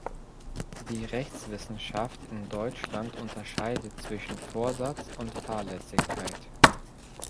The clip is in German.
Die Rechtswissenschaft in Deutschland unterscheidet zwischen Vorsatz und Fahrlässigkeit.